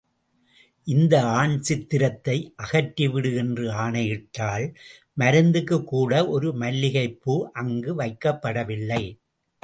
இந்த ஆண் சித்திரத்தை அகற்றி விடு என்று ஆணையிட்டாள் மருந்துக்குக் கூட ஒரு மல்லிகைப்பூ அங்கு வைக்கப்படவில்லை.